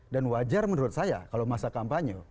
dan wajar menurut saya kalau masa kampanye